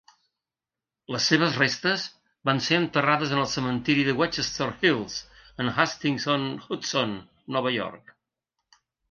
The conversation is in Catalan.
Les seves restes van ser enterrades en el cementiri de Westchester Hills, en Hastings-on-Hudson, Nova York.